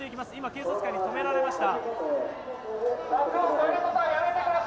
警察官に止められました。